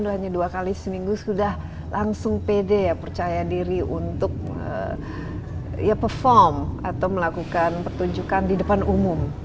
hanya dua kali seminggu sudah langsung pede ya percaya diri untuk ya perform atau melakukan pertunjukan di depan umum